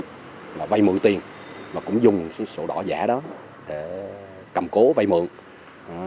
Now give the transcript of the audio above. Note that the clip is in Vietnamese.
đối tượng đã dùng những sổ đỏ giả để cầm cố vay mượn tiền